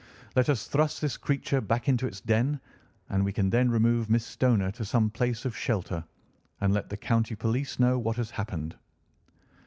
Let us thrust this creature back into its den, and we can then remove Miss Stoner to some place of shelter and let the county police know what has happened."